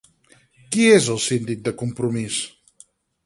Qui és el síndic de Compromís?